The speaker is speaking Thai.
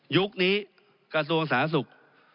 ยุคนี้กระทรวงสาธารณสุข